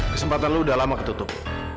kesempatan lo udah lama ketutup